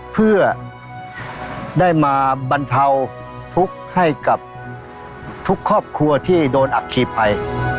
เพื่อได้มาบรรเทาทุกข์ให้กับทุกครอบครัวที่โดนอัคคีภัย